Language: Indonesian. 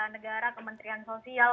negara kementerian sosial